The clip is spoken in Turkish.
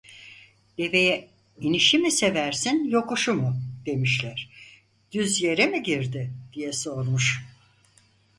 "Deveye inişi mi seversin, yokuşu mu?" demişler; "düz yere mi girdi?" diye sormuş.